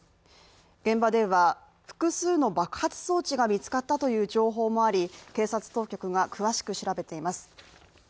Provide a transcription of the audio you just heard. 現場では複数の爆発装置が見つかったという情報もあり警察当局が詳しく調べています。